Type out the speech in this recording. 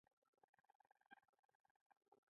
ګوري چې هرڅه بدل شوي.